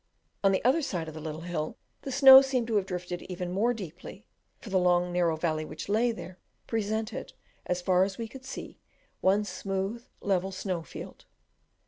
On the other side of the little hill the snow seemed to have drifted even more deeply, for the long narrow valley which lay there presented, as far as we could see, one smooth, level snow field.